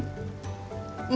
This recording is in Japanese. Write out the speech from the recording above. うん！